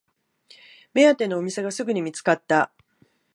目当てのお店がすぐに見つかった